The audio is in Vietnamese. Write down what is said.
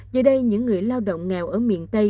giờ đây những người lao động nghèo ở miền tây